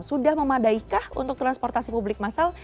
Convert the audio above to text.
sudah memadaikah untuk transportasi publik masal